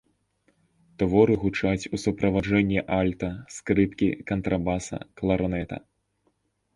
Творы гучаць у суправаджэнні альта, скрыпкі, кантрабаса, кларнета.